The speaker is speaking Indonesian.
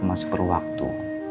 masih perlu waktu